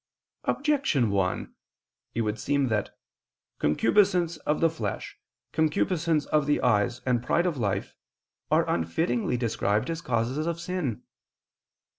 Objection 1: It would seem that "concupiscence of the flesh, concupiscence of the eyes, and pride of life" are unfittingly described as causes of sin.